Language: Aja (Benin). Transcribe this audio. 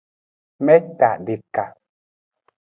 Meta deka.